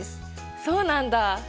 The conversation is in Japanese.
そうなんだ。